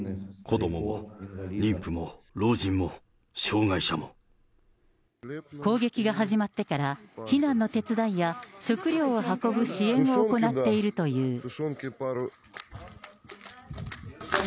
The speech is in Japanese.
子どもも妊婦も老人も、攻撃が始まってから、避難の手伝いや食料を運ぶ支援を行っているという。